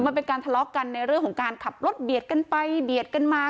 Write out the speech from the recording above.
มันเป็นการทะเลาะกันในเรื่องของการขับรถเบียดกันไปเบียดกันมา